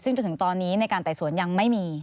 ซึ่งจนถึงตอนนี้ในการไต่สวนยังไม่มี